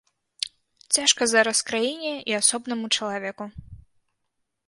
Цяжка зараз краіне і асобнаму чалавеку.